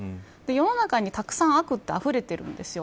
世の中にたくさん悪ってあふれてるんですよ。